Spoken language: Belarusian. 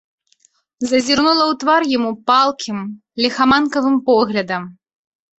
Зазірнула ў твар яму палкім, ліхаманкавым поглядам.